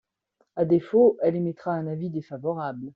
À défaut, elle émettra un avis défavorable.